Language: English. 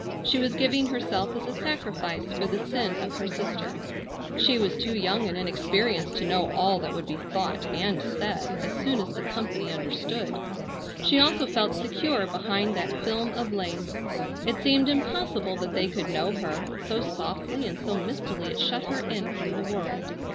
She was giving herself as a sacrifice for the sin of her sister. She was too young and inexperienced to know all that would be thought and said as soon as the company understood. She also felt secure behind that film of lace. It seemed impossible that they could know her, so softly and so mistily it shut her in from the world.